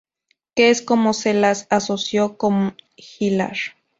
Que es como se las asoció con hilar.